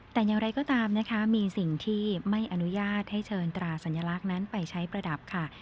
แต่อย่างไรก็ตามนะคะมีสิ่งที่ไม่อนุญาตให้เชิญตราสัญลักษณ์นั้นไปใช้ประดับค่ะ